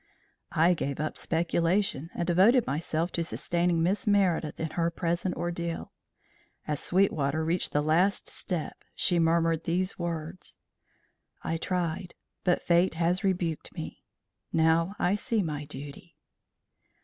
I gave up speculation and devoted myself to sustaining Miss Meredith in her present ordeal. As Sweetwater reached the last step she murmured these words: "I tried; but fate has rebuked me. Now I see my duty."